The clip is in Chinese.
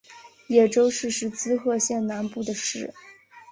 野洲市是滋贺县南部的市。